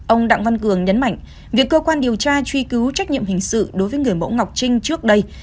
ông đặng văn cường nhấn mạnh việc cơ quan điều tra truy cứu trách nhiệm hình sự đối với người mẫu ngọc trinh trước đây